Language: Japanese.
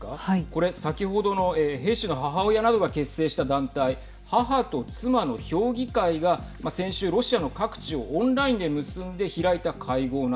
これ、先ほどの兵士の母親などが結成した団体母と妻の評議会が先週ロシアの各地をオンラインで結んではい。